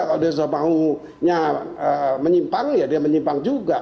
kalau dia sudah maunya menyimpang ya dia menyimpang juga